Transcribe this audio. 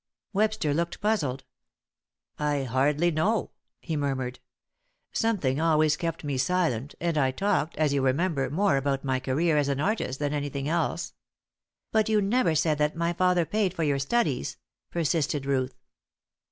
Webster looked puzzled. "I hardly know," he murmured. "Something always kept me silent, and I talked, as you remember, more about my career as an artist than anything else." "But you never said that my father paid for your studies," persisted Ruth.